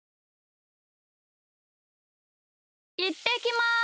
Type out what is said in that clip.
いってきます！